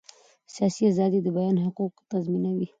سیاسي ازادي د بیان حق تضمینوي